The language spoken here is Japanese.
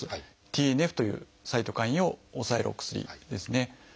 ＴＮＦというサイトカインを抑えるお薬ですね。